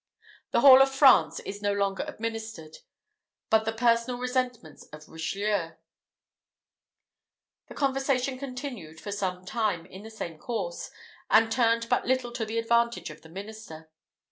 The law of France is no longer administered, but the personal resentments of Richelieu." The conversation continued for some time in the same course, and turned but little to the advantage of the minister.